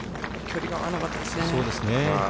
距離が合わなかったですね。